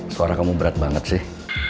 suara kamu berat banget sih